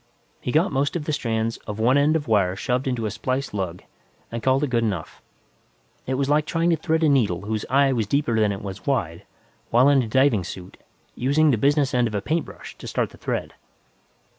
He got most of the strands of one end of wire shoved into a splice lug, and called it good enough. It was like trying to thread a needle whose eye was deeper than it was wide, while in a diving suit, using the business end of a paintbrush to start the thread.